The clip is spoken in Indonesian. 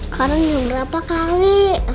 karang yang berapa kali